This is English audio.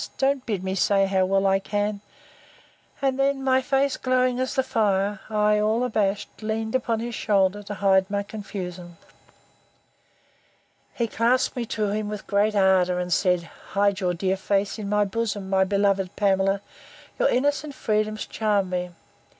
Don't bid me say how well I can—And then, my face glowing as the fire, I, all abashed, leaned upon his shoulder, to hide my confusion. He clasped me to him with great ardour, and said, Hide your dear face in my bosom, my beloved Pamela! your innocent freedoms charm me!